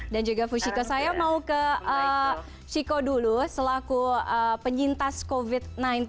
dan juga fushiko saya mau ke shiko dulu selaku penyintas covid sembilan belas